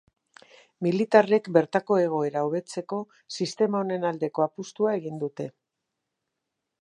Militarrek bertako egoera hobetzeko sistema honen aldeko apustua egin dute.